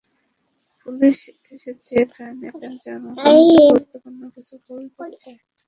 Police এসেছে এখানে, তারা জনগণকে গুরুত্বপূর্ণ কিছু বলতে চায়।